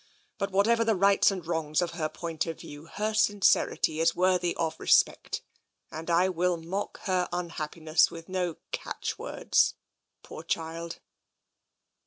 But whatever the rights or the wrongs of her point of view, her sincerity is worthy of respect. And I will mock her unhappi ness with no catchwords, poor child."